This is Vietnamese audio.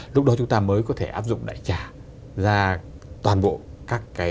lúc đó chúng ta mới có thể áp dụng đại trả ra toàn bộ các cái